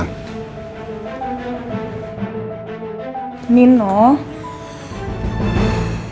kau panik dengan aku biar bukti nyuri